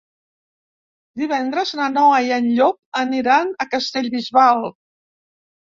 Divendres na Noa i en Llop aniran a Castellbisbal.